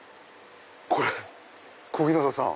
これ小日向さん。